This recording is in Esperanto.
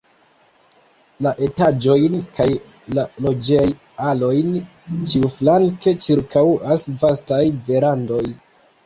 La etaĝojn kaj la loĝej-alojn ĉiuflanke ĉirkaŭas vastaj verandoj.